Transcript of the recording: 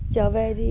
trở về thì